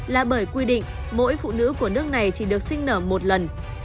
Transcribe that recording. là bởi quy định mỗi phụ nữ của nước này chỉ được sinh nở một lần